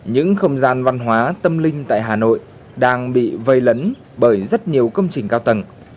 những không gian văn hóa tâm linh tại hà nội đang bị vây lấn bởi rất nhiều công trình cao tầng